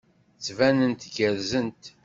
Ttbanent gerrzent.